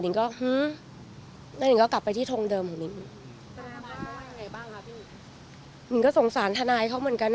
หนึ่งก็หื้อแล้วหนึ่งก็กลับไปที่ทรงเดิมของหนึ่งก็สงสารทนายเขาเหมือนกัน